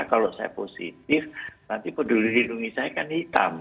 kalau saya positif nanti peduli lindungi saya kan hitam